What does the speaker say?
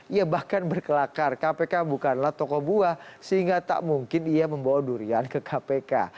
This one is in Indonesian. ia bahkan berkelakar kpk bukanlah tokoh buah sehingga tak mungkin ia membawa durian ke kpk